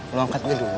buah dua pastel giginya